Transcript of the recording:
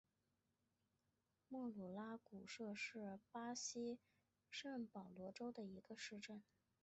莫鲁阿古杜是巴西圣保罗州的一个市镇。